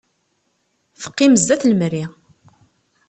Teqqim sdat lemri.